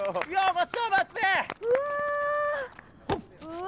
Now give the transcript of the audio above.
うわ！